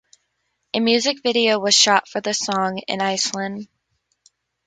A music video was shot for the song in Iceland.